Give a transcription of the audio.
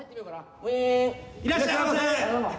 いらっしゃいませ！